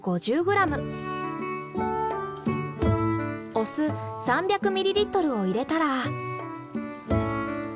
お酢３００ｍｌを入れたら。